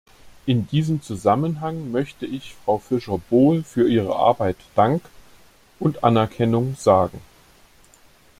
In diesem Zusammenhang möchte ich Frau Fischer Boel für ihre Arbeit Dank und Anerkennung sagen.